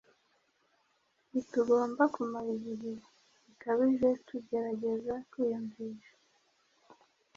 Ntitugomba kumara igihe gikabije tugerageza kwiyumvisha